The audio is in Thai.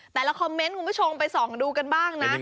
แต่ละคอมเมนต์คุณผู้ชมไปส่องดูกันบ้างนะ